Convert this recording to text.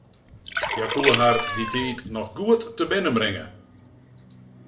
Hja koe har dy tiid noch goed tebinnenbringe.